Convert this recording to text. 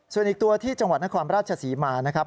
ส่วนอีกตัวที่จังหวัดนครราชศรีมานะครับ